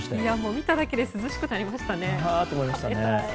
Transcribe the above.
見ただけで涼しくなりましたね。